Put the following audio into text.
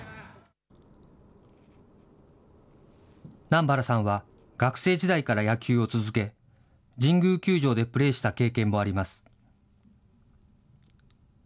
南原さんは、学生時代から野球を続け、神宮球場でプレーした経験もあります。